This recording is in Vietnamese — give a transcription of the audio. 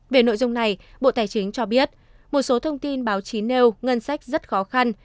về nội dung này bộ tài chính cho biết một số thông tin báo chí nêu ngân sách rất khó khăn